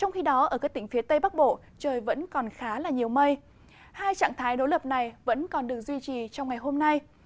hai trạng thái đối lập này vẫn còn được duy trì trong ngày hôm nay